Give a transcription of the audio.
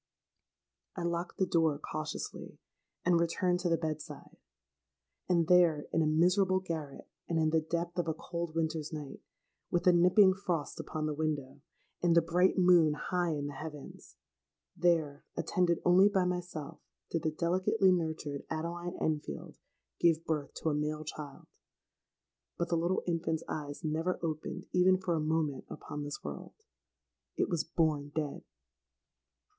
I locked the door cautiously, and returned to the bed side. And there—in a miserable garret, and in the depth of a cold winter's night,—with a nipping frost upon the window, and the bright moon high in the heavens,—there, attended only by myself, did the delicately nurtured Adeline Enfield give birth to a male child. But the little infant's eyes never opened even for a moment upon this world: it was born dead!